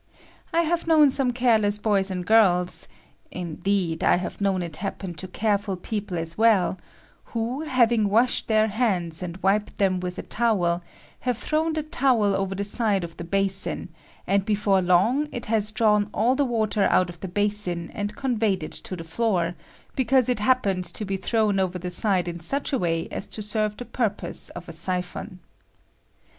I have known some care leas boys and girls (indeed, I have known it happen to careful people as well) who, having washed their hands and wiped them with a towel, have thrown the towel over the aide of the basin, and before long it has drawn all the water out of the basin and conveyed it to the floor, because it happened to be thrown over the side in such a way as to serve the purpose of a siphon.